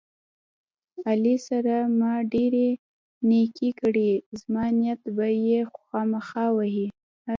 علي سره ما ډېرې نیکۍ کړې دي، زما نیت به یې خواخما وهي.